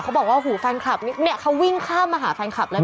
เขาบอกว่าฟันคลับนี้เขาวิ่งข้ามมาหาฟันคลับเลย